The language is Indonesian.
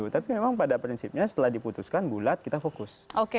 tapi memang pada prinsipnya setelah diputuskan bulat kita fokus